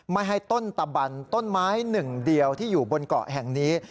ไม่ให้ต้นตะบันต้นไม้หนึ่งเดียวที่อยู่บนเกาะแห่งนี้